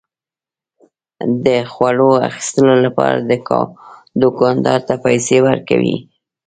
د خوړو اخیستلو لپاره دوکاندار ته پيسى ورکوي.